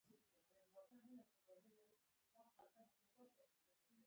الله ج د ځمکی او اسمانونو څښتن دی